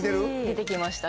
出てきました